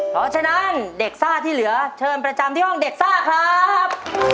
เพราะฉะนั้นเด็กซ่าที่เหลือเชิญประจำที่ห้องเด็กซ่าครับ